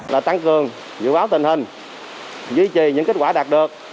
là tăng cường dự báo tình hình duy trì những kết quả đạt được